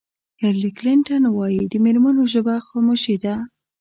هېلري کلنټن وایي د مېرمنو ژبه خاموشي ده.